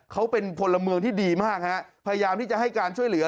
เขาเป็นพลเมืองที่ดีมากฮะพยายามที่จะให้การช่วยเหลือ